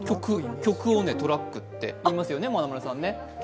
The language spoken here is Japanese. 曲をトラックって言いますよね、まなまるさん？